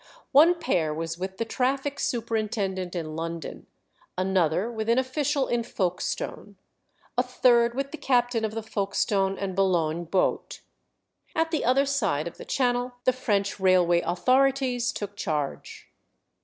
One pair was with the traffic superintendent in London, another with an official in Folkestone, a third with the captain of the Folkestone and Boulogne boat. At the other side of the Channel the French railway authorities took charge.